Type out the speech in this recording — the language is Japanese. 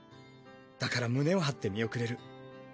だから胸を張って見送れる。